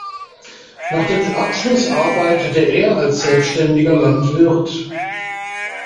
Nach dem Abschluss arbeitete er als selbständiger Landwirt.